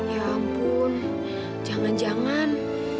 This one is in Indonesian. ya ampun jangan jangan